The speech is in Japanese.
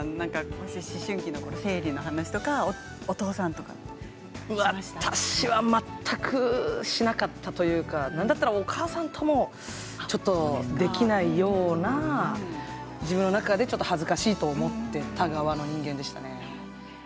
もし思春期の私は全くしなかったというかなんだったらお母さんともちょっとできないような自分の中でちょっと恥ずかしいと思っていた側の人間でしたね。